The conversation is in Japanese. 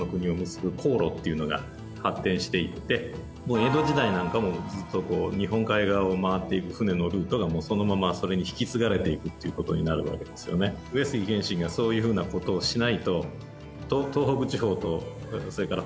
江戸時代なんかもずっとこう日本海側を回っていく船のルートがもうそのままそれに引き継がれていくっていう事になるわけですよね。になりましたっていうそういう事ですよね。